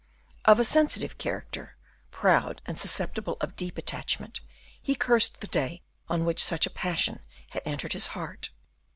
Of a sensitive character, proud and susceptible of deep attachment, he cursed the day on which such a passion had entered his heart.